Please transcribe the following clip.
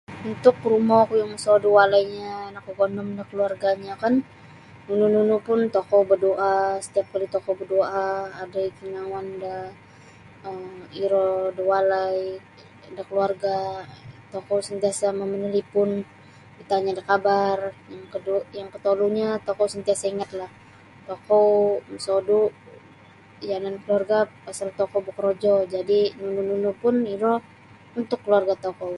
Untuk rumoku yang mosodu walainyo nakagondom da keluarganyo kan nunu nunu pun tokou badoa setiap kali tokou badoa adai kingouon da um iro da walai da keluarga tokou sentiasa mama manalipon bertanya da khabar yang kotolunyo tokou sentiasa ingatlah tokou mosodu yanan keluarga pasal tokou bokorojo jadi nunu nunupun iro untuk keluarga tokou.